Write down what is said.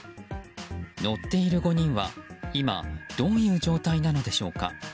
乗っている５人は今、どういう状態なのでしょうか。